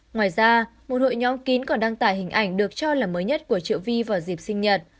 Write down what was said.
ngoài ra một hội nhóm kín còn đăng tải hình ảnh được cho là mới nhất của triệu vi vào dịp sinh nhật